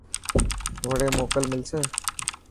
وڙي موڪو ملسي.